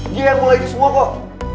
dia yang mulai itu semua kok